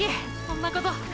そんなこと。